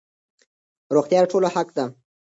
روغتيا د ټولو حق دی.